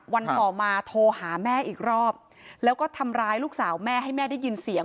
วันต่อมาโทรหาแม่อีกรอบแล้วก็ทำร้ายลูกสาวแม่ให้แม่ได้ยินเสียง